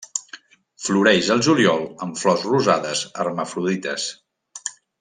Floreix al juliol amb flors rosades hermafrodites.